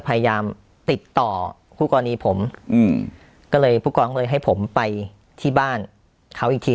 พยายามติดต่อคู่กรณีผมอืมก็เลยผู้กองก็เลยให้ผมไปที่บ้านเขาอีกที